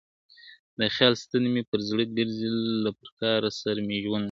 د خیال ستن مي پر زړه ګرځي له پرکار سره مي ژوند دی ,